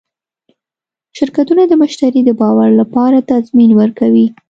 شرکتونه د مشتری د باور لپاره تضمین ورکوي.